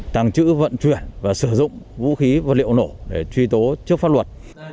tàng trữ vận chuyển và sử dụng vũ khí vật liệu nổ để truy tố trước pháp luật